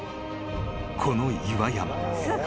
この岩山］